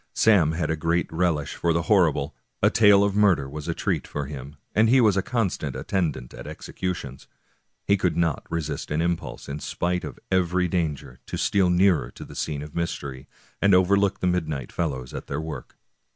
Sam had a great relish for the horrible ; a tale of murder was a treat for him, and he was a constant attendant at executions. He could not resist an impulse, in spite of every danger, to steal nearer to the scene of mystery, and overlook the midnight fellows at their work.